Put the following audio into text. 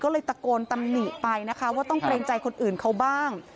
ก็เลยตะโกนตำหนิไปนะคะว่าต้องเกรงใจคนอื่นเขาบ้าง